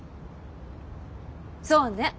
そうね。